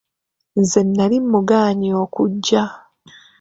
Nze nali mugaanyi okujja.